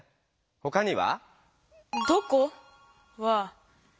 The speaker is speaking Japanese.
ほかには？